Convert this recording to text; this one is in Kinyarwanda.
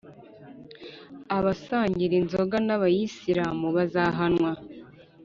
a basangira inzoga n’abayisilamu bazahanwa